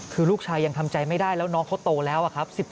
คือลูกชายยังทำใจไม่ได้แล้วน้องเขาโตแล้วอะครับ